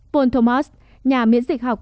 paul thomas nhà miễn dịch học